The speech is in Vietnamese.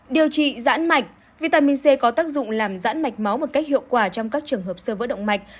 điều trị giãn mạch vitamin c có tác dụng làm giãn mạch máu một cách hiệu quả trong các trường hợp sơ vỡ động mạch